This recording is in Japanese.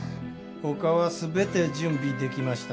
他は全て準備できました。